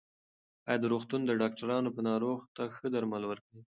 ایا د روغتون ډاکټران به ناروغ ته ښه درمل ورکړي؟